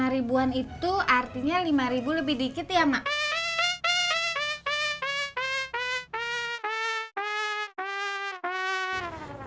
lima ribuan itu artinya lima ribu lebih dikit ya mak